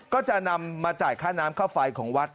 ก็จะนำมาจ่ายค่าน้ำค่าไฟของวัด